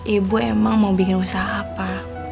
ibu emang mau bikin usaha apa